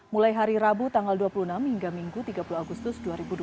mulai hari rabu tanggal dua puluh enam hingga minggu tiga puluh agustus dua ribu dua puluh